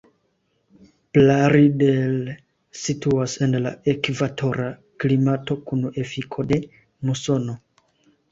Plaridel situas en la ekvatora klimato kun efiko de musono.